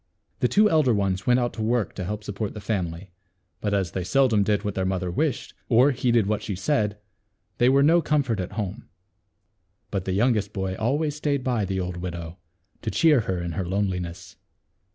The two elder ones went out to work to help support the family, but as they seldom did what their mother wished, or heeded what she said, they were no comfort at home. But the youngest boy always staid by the old widow, to cheer her in her loneliness.